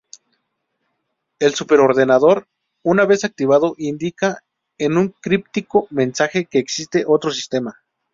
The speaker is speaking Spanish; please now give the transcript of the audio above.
El superordenador, una vez activado, indica en un críptico mensaje que "existe otro sistema".